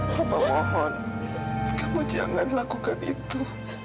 bapak mohon kamu jangan lakukan itu